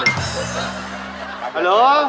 ฮัลโหล